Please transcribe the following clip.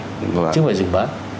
chứ không phải dừng bán